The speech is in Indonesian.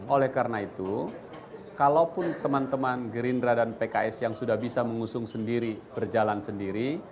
oleh karena itu kalaupun teman teman gerindra dan pks yang sudah bisa mengusung sendiri berjalan sendiri